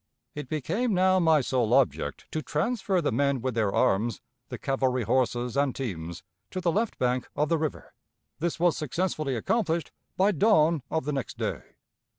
"It became now my sole object to transfer the men with their arms, the cavalry horses, and teams to the left bank of the river. This was successfully accomplished by dawn of the next day.